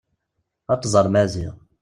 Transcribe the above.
Ad tẓer Maziɣ.